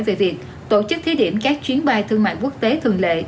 về việc tổ chức thí điểm các chuyến bay thương mại quốc tế thường lệ